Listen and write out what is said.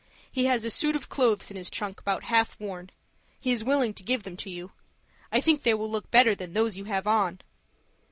He has a suit of clothes in his trunk about half worn. He is willing to give them to you. I think they will look better than those you have on."